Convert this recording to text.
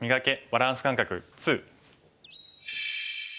バランス感覚２」。